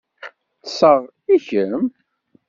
Ṭṣeɣ, i kemm?